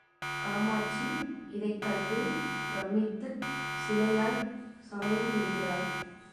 காமாட்சி இதைக் கண்டு பிரமித்துச் சிலையாய்ச் சமைந்து விடுகிறாள்.